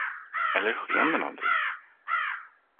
Eller sken den aldrig?